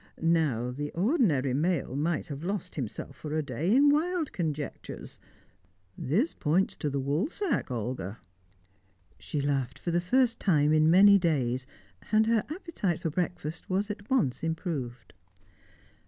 Now the ordinary male might have lost himself for a day in wild conjectures. This points to the woolsack, Olga!" She laughed for the first time in many days, and her appetite for breakfast was at once improved.